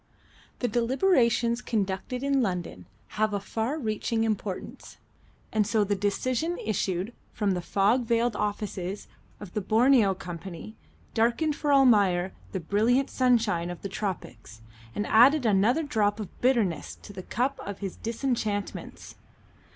The deliberations conducted in London have a far reaching importance, and so the decision issued from the fog veiled offices of the Borneo Company darkened for Almayer the brilliant sunshine of the Tropics, and added another drop of bitterness to the cup of his disenchantments.